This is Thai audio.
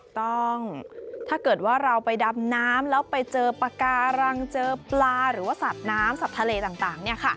ต้องถ้าเกิดว่าเราไปดำน้ำแล้วไปเจอปากการังเจอปลาหรือว่าสัตว์น้ำสัตว์ทะเลต่าง